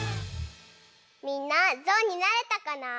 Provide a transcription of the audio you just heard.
みんなぞうになれたかな？